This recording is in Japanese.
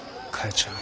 ちゃん。